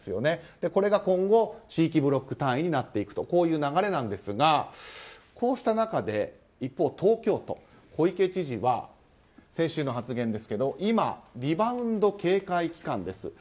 これが今後、地域ブロック単位になっていくという流れですがこうした中で、一方、東京都小池知事は、先週の発言ですが今、リバウンド警戒期間です。